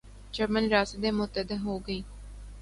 German ریاستیں متحد ہوگئیں